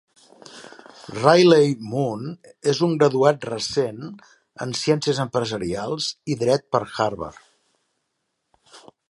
Riley Moon és un graduat recent en Ciències empresarials i Dret per Harvard.